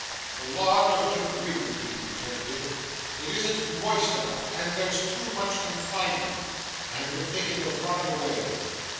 'The law don't agree with me,' returned Dick. 'It isn't moist enough, and there's too much confinement. I have been thinking of running away.